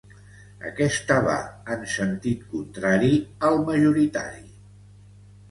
Aquesta va en sentit contrari al majoritari.